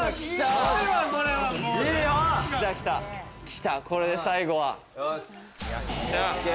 来た、これで最後は、ＯＫ。